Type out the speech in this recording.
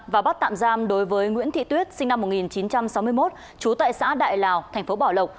và bắt tạm giam đối với nguyễn thị tuyết sinh năm một nghìn chín trăm sáu mươi một trú tại xã đại lào thành phố bảo lộc